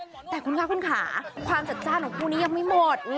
แต่คุณคะคุณขาความจัดจ้านของคู่นี้ยังไม่หมด